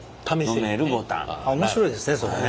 面白いですねそれね。